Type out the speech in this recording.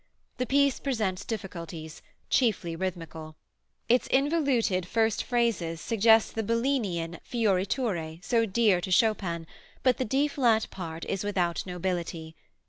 The piece presents difficulties, chiefly rhythmical. Its involuted first phrases suggest the Bellini an fioriture so dear to Chopin, but the D flat part is without nobility.